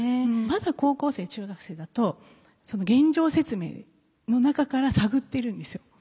まだ高校生中学生だと現状説明の中から探ってるんですよ。